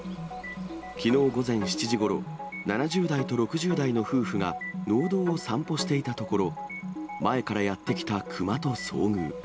きのう午前７時ごろ、７０代と６０代の夫婦が農道を散歩していたところ、前からやって来たクマと遭遇。